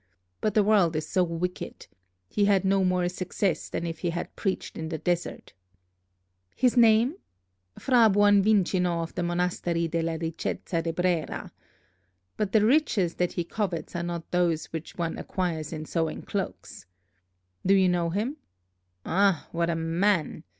But the world is so wicked! He had no more success than if he had preached in the desert." "His name?" "Fra Buonvicino of the monastery Della Ricchezza de Brera. But the riches that he covets are not those which one acquires in sewing cloaks. Do you know him? Ah, what a man!